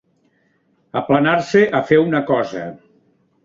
Aplanar-se a fer una cosa.